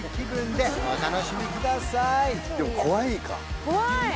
でも怖いか怖い！